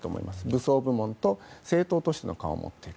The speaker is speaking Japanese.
武装部門と政党としての顔を持っている。